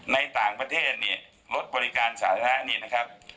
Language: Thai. ในต่างประเทศเนี่ยรถบริการสาธารณะนี่นะครับ